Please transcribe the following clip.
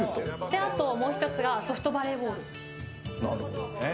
あともう１つがソフトバレーボール。